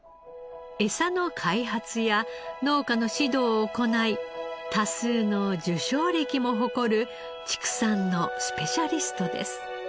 エサの開発や農家の指導を行い多数の受賞歴も誇る畜産のスペシャリストです。